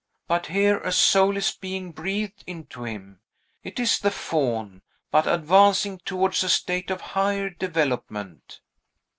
But here, a soul is being breathed into him; it is the Faun, but advancing towards a state of higher development."